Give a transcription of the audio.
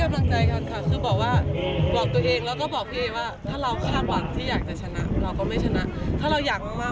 แล้วกลับมาเป็นของเราได้ครับ